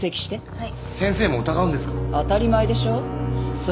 はい。